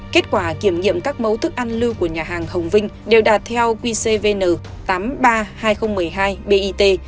kết quả kiểm nghiệm các mẫu thức ăn lưu của nhà hàng hồng vinh đều đạt theo quy cvn tám mươi ba hai nghìn một mươi hai bit